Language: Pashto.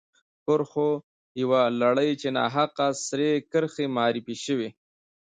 کرښو یوه لړۍ چې ناحقه سرې کرښې معرفي شوې.